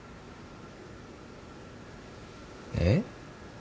えっ？